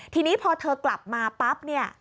ทีนี้พอเธอกลับมาปั๊บ